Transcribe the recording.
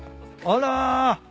あら。